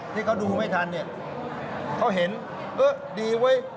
ที่เขาดูไม่ทันเขาเห็นเอ๊ะดีเว้ย